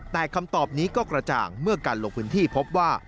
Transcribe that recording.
แต่คำตอบนี้ก็กระจ่างเมื่อการลงพื้นที่พบว่า